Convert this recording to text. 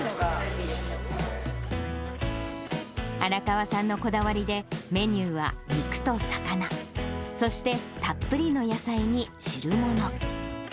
荒川さんのこだわりで、メニューは肉と魚、そしてたっぷりの野菜に汁物。